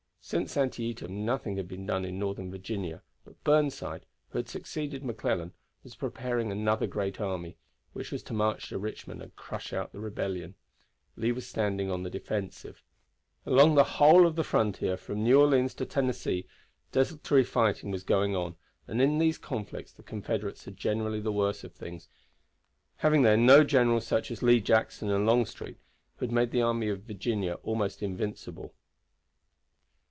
Since Antietam nothing had been done in Northern Virginia; but Burnside, who had succeeded McClellan, was preparing another great army, which was to march to Richmond and crush out the rebellion. Lee was standing on the defensive. Along the whole line of the frontier, from New Orleans to Tennessee, desultory fighting was going on, and in these conflicts the Confederates had generally the worse of things, having there no generals such as Lee, Jackson, and Longstreet, who had made the army of Virginia almost invincible.